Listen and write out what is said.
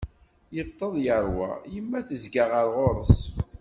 Yeṭṭeḍ yerwa, yemma tezga ɣer ɣur-s.